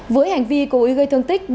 với hành vi cầu ý gây thương tích